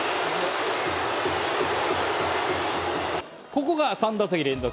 ここが３打席連続。